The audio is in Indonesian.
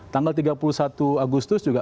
tanggal tiga puluh satu agustus juga